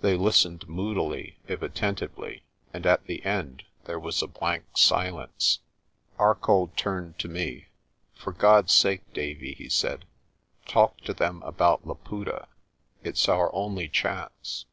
They listened moodily, if atten tively, and at the end there was a blank silence. Arcoll turned to me. "For God's sake, Davie," he said, "talk to them about Laputa. It's our only chance."